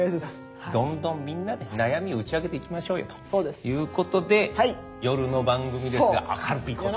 どんどんみんなで悩みを打ち明けていきましょうよということで夜の番組ですが明るくいこうと。